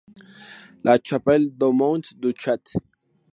La Chapelle-du-Mont-du-Chat